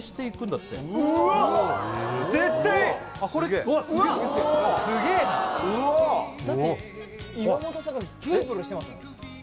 ・だって岩本さんがプルプルしてますもん